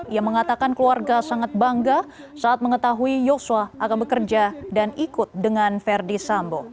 ia mengatakan keluarga sangat bangga saat mengetahui yosua akan bekerja dan ikut dengan verdi sambo